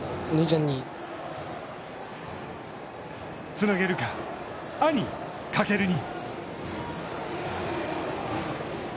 つなげるか、兄・翔に。